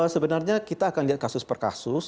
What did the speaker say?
sebenarnya kita akan lihat kasus per kasus